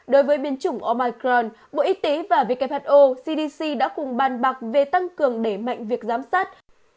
đối với biến chủng omicron bộ y tế và who cdc đã cùng ban bạc về tăng cường để mạnh việc giám sát